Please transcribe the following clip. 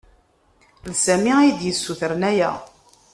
D Sami ay d-yessutren aya.